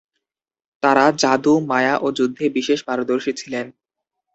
তারা জাদু, মায়া ও যুদ্ধে বিশেষ পারদর্শী ছিলেন।